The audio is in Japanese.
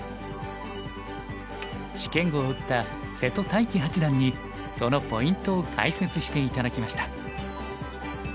試験碁を打った瀬戸大樹八段にそのポイントを解説して頂きました。